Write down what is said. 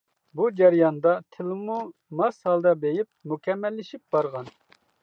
بۇ جەرياندا تىلىمۇ ماس ھالدا بېيىپ، مۇكەممەللىشىپ بارغان.